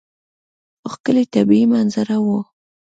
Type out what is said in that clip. ښکلې طبیعي منظره وه.